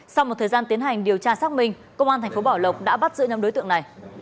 sau một thời gian tiến hành điều tra xác minh công an tp bảo lộc đã bắt giữ năm đối tượng này